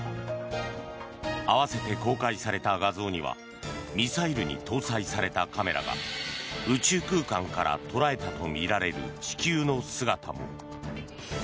合わせて公開された画像にはミサイルに搭載されたカメラが宇宙空間から捉えたとみられる地球の姿も。